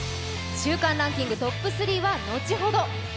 週間ランキングトップ３は後ほど！